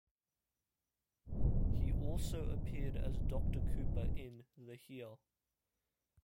He also appeared as "Doctor Cooper" in the here!